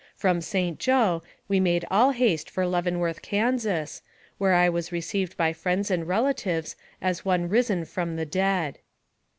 From St. Joe, we made all haste for Leavenworth, Kansas, where I was re ceived by friends and relatives as one risen from the dead.